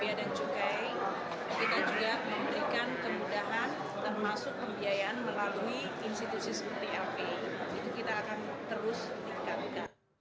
itu kita akan terus ingatkan